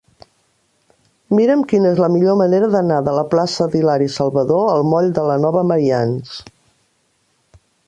Mira'm quina és la millor manera d'anar de la plaça d'Hilari Salvadó al moll de la Nova Maians.